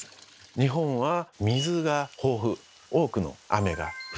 日本は水が豊富多くの雨が降ってくれる。